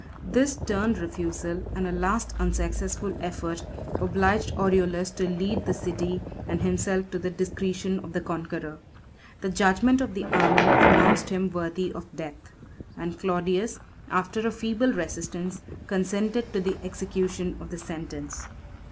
7 This stern refusal, and a last unsuccessful effort, obliged Aureolus to yield the city and himself to the discretion of the conqueror. The judgment of the army pronounced him worthy of death; and Claudius, after a feeble resistance, consented to the execution of the sentence.